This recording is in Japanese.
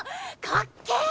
かっけぇ。